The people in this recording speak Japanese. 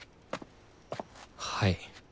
はい。